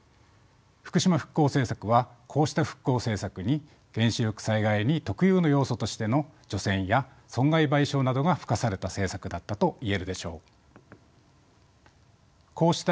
福島復興政策はこうした復興政策に原子力災害に特有の要素としての除染や損害賠償などが付加された政策だったと言えるでしょう。